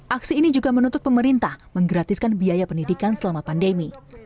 aksi ini juga menuntut pemerintah menggratiskan biaya pendidikan selama pandemi